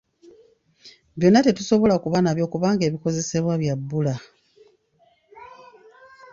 Byonna tetusobola kuba nabyo kubanga ebikozesebwa bya bbula.